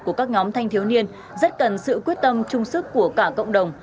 của các nhóm thanh thiếu niên rất cần sự quyết tâm chung sức của cả cộng đồng